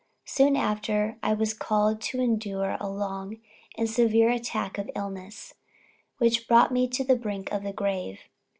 Soon after, I was called to endure a long and severe attack of illness, which brought me to the brink of the grave.